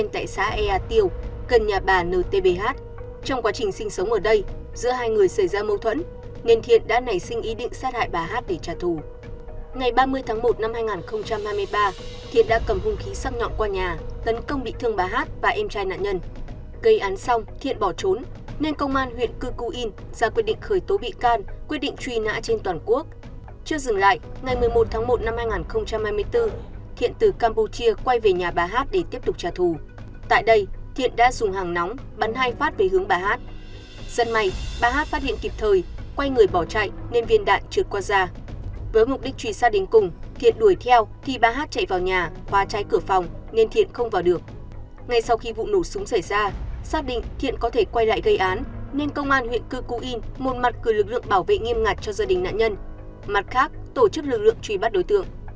ngay sau khi vụ nổ súng xảy ra xác định thiện có thể quay lại gây án nên công an huyện cư cú yên một mặt cử lực lượng bảo vệ nghiêm ngặt cho gia đình nạn nhân mặt khác tổ chức lực lượng truy bắt đối tượng